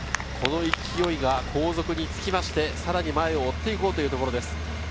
この勢いが後続につきまして、さらに前を追って行こうというところです。